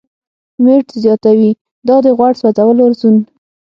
میرټ زیاتوي، دا د "غوړ سوځولو زون